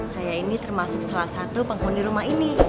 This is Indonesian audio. saya ini termasuk salah satu pengkul di rumah ini